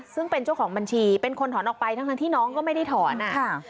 ซึ่งเป็นเจ้าของบัญชีเป็นคนถอนออกไปทั้งที่น้องก็ไม่ได้ถอนอ่ะค่ะ